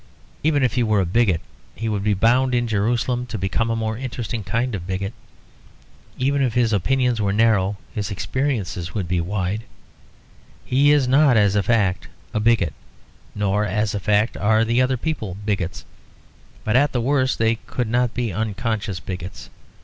Even if he were a bigot, he would be bound in Jerusalem to become a more interesting kind of bigot. Even if his opinions were narrow, his experiences would be wide. He is not, as a fact, a bigot, nor, as a fact, are the other people bigots, but at the worst they could not be unconscious bigots.